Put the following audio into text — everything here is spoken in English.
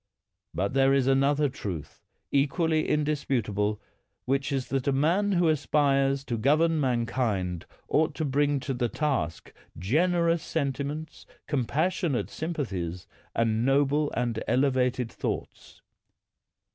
But there is another truth, equally in disputable, which is that a man who aspires to govern mankind ought to bring to the task generous sentiments, compassionate sjTnpathies, and noble and elevated thoughts.